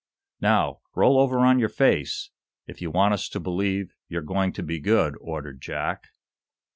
"Now, roll over on your face, if you want us to believe you're going to be good," ordered Jack.